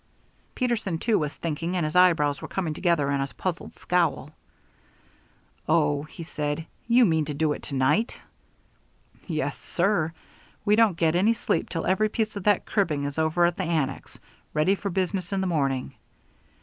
Peterson, too, was thinking; and his eye brows were coming together in a puzzled scowl. "Oh," he said, "you mean to do it to night?" "Yes, sir. We don't get any sleep till every piece of that cribbing is over at the annex, ready for business in the morning.